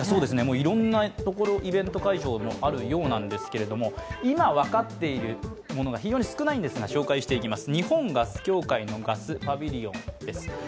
いろんなイベント会場もあるようなんですけれども、今分かっているものが非常に少ないんですが紹介していきます。